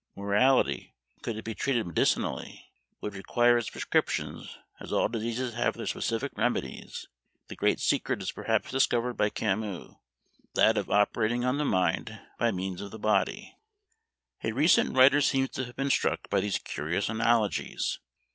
Morality, could it be treated medicinally, would require its prescriptions, as all diseases have their specific remedies; the great secret is perhaps discovered by Camus that of operating on the mind by means of the body. A recent writer seems to have been struck by these curious analogies.